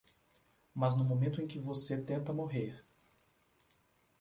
Mas no momento em que você tenta morrer